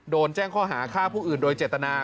โดนแจ้งข้อหาฆ่าผู้อื่นโดยเจตนา